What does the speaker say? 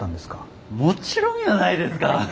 もちろんやないですか。